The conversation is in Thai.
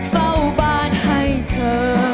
เฝ้าบ้านให้เธอ